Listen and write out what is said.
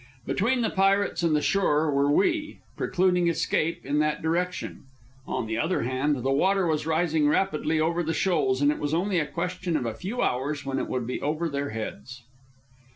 Between the pirates and the shore were we, precluding escape in that direction. On the other hand, the water was rising rapidly over the shoals, and it was only a question of a few hours when it would be over their heads.